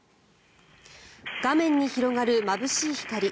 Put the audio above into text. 画面に広がる、まぶしい光。